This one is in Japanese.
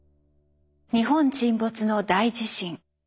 「日本沈没」の大地震。